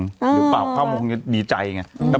หรือบ่าวเท่ามันคงจะดีใจไง